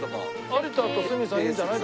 有田と鷲見さんいいんじゃない？